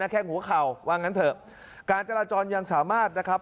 แค่งหัวเข่าว่างั้นเถอะการจราจรยังสามารถนะครับ